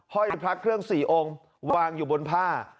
ห้อยพระเครื่อง๔องค์วางอยู่บนผ้า